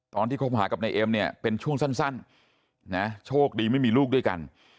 คบหากับนายเอ็มเนี่ยเป็นช่วงสั้นนะโชคดีไม่มีลูกด้วยกัน